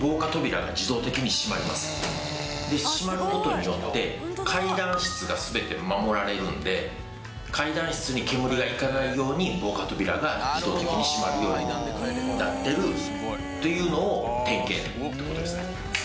で閉まる事によって階段室が全て守られるので階段室に煙が行かないように防火扉が自動的に閉まるようになっているというのを点検って事ですね。